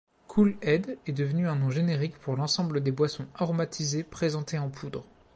Kool-Aid est devenu un nom générique pour l'ensemble des boissons aromatisées présentées en poudre.